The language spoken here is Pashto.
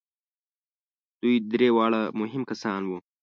دوی درې واړه مهم کسان وو.